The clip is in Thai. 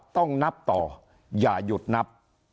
ต้องนับต่ออย่าหยุดนับ